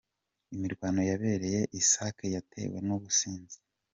Imirwano yabereye i Sake yatewe n’ubusinzi